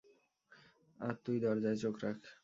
আর তুই দরজায় চোখ রাখ।